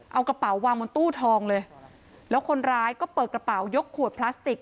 เอากระเป๋าวางบนตู้ทองเลยแล้วคนร้ายก็เปิดกระเป๋ายกขวดพลาสติก